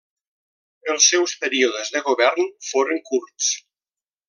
Els seus períodes de govern foren curts.